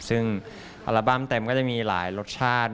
ซึ่งอัลบั้มเต็มก็จะมีหลายรสชาติ